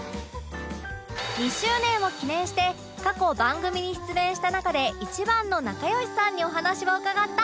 ２周年を記念して過去番組に出演した中で一番の仲良しさんにお話を伺った